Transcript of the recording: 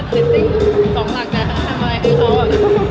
เรตติ่ง๒หลักจะทำอะไรให้เขา